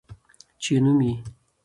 چې يو نوم يې